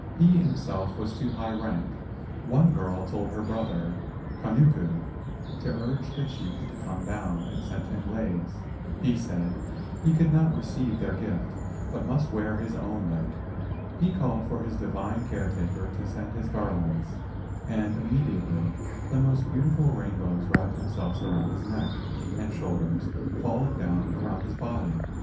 He himself was of too high rank. One girl told her brother Kanuku to urge the chief to come down, and sent him leis. He said he could not receive their gift, but must wear his own lei. He called for his divine caretaker to send his garlands, and imme¬ diately the most beautiful rainbows wrapped themselves around his neck and shoulders, fall¬ ing down around his body.